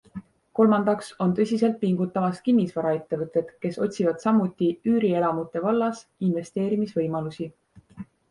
Kolmandaks on tõsiselt pingutamas kinnisvaraettevõtted, kes otsivad samuti üürielamute vallas investeerimisvõimalusi.